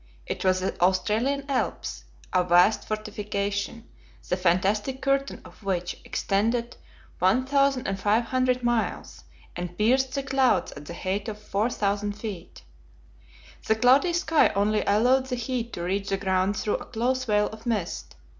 It was the Australian Alps, a vast fortification, the fantastic curtain of which extended 1,500 miles, and pierced the clouds at the height of 4,000 feet. The cloudy sky only allowed the heat to reach the ground through a close veil of mist.